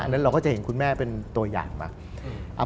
เราก็จะเห็นคุณแม่เป็นตัวอย่างมา